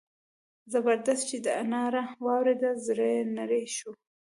زبردست چې دا ناره واورېده زړه یې نری شو.